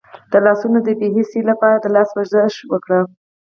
د لاسونو د بې حسی لپاره د لاس ورزش وکړئ